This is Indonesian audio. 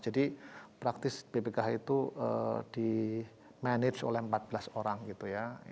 jadi praktis ppkh itu di manage oleh empat belas orang gitu ya